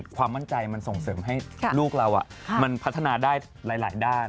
ความมั่นใจมันส่งเสริมให้ลูกเรามันพัฒนาได้หลายด้าน